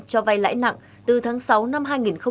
cho vay lãi nặng từ tháng sáu năm hai nghìn hai mươi ba